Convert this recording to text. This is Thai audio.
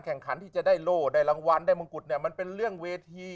แข่งขันที่จะได้โล่ได้รางวัลได้มงกุฎเนี่ยมันเป็นเรื่องเวที